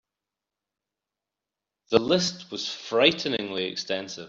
The list was frighteningly extensive.